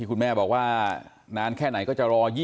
คุณแม่บอกว่านานแค่ไหนก็จะรอ